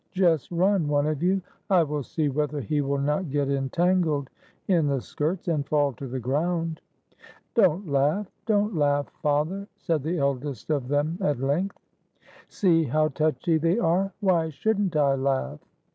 Just run, one of you! I will see whether he will not get entangled in the skirts, and fall to the ground." "Don't laugh, don't laugh, father!" said the eldest of them at length. " See how touchy they are! Why should n't I laugh?